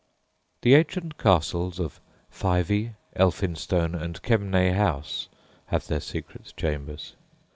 The ancient castles of Fyvie, Elphinstone, and Kemnay House have their secret chambers.